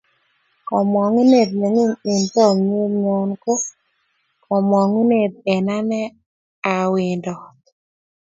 kamangunet nengung eng chamiet nyo ko kamangunet eng ane a wendat